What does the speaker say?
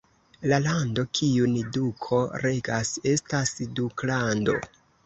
La lando kiun duko regas estas duklando.